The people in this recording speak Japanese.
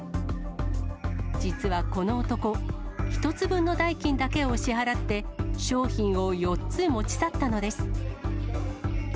実はこの男、１つ分の代金だけを支払って、商品を４つ持ち去ったのです。